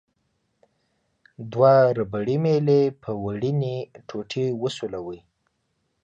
دوه ربړي میلې په وړینې ټوټې وسولوئ.